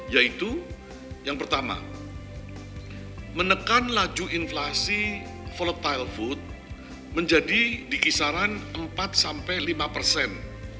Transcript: yaitu yang pertama menekan laju inflasi volatile food menjadi di kisaran empat sampai lima persen